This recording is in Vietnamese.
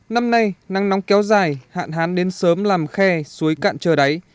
năm nay nắng nóng kéo dài hạn hán đến sớm làm khe suối cạn trời đáy